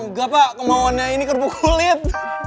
enggak pak kemauannya ini kerupuk kulit